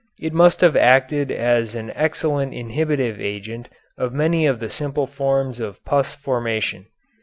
It must have acted as an excellent inhibitive agent of many of the simple forms of pus formation.